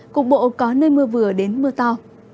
cục bộ có nơi mưa vừa đến mưa to